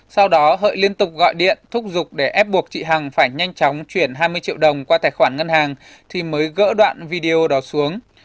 sau đó hợi liên tục gọi điện thúc giục để ép buộc chị hằng phải nhanh chóng chuyển hai mươi triệu đồng qua tài khoản ngân hàng thì mới gỡ đoạn video đó xuống